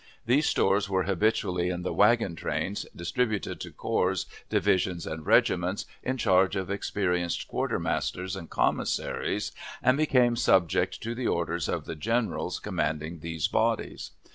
These stores were habitually in the wagon trains, distributed to corps, divisions, and regiments, in charge of experienced quartermasters and commissaries, and became subject to the orders of the generals commanding these bodies.